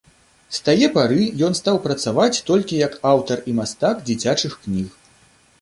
З тае пары ён стаў працаваць толькі як аўтар і мастак дзіцячых кніг.